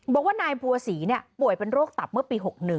บอกว่านายบัวศรีป่วยเป็นโรคตับเมื่อปี๖๑